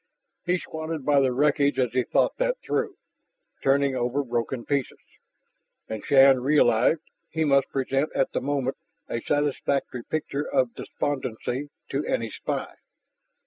He squatted by the wreckage as he thought that through, turning over broken pieces. And, Shann realized, he must present at the moment a satisfactory picture of despondency to any spy.